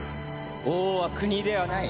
王は国ではない。